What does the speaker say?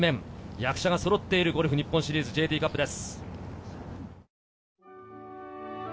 役者がそろっているゴルフ日本シリーズＪＴカップです。